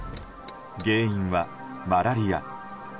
原因は、マラリア。